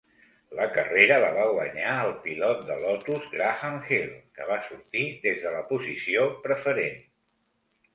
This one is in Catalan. La carrera la va guanyar el pilot de Lotus Graham Hill, que va sortir des de la posició preferent.